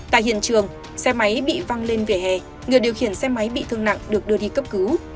tại hiện trường xe máy bị văng lên vỉa hè người điều khiển xe máy bị thương nặng được đưa đi cấp cứu